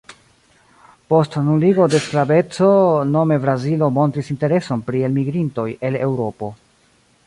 Post nuligo de sklaveco nome Brazilo montris intereson pri elmigrintoj el Eŭropo.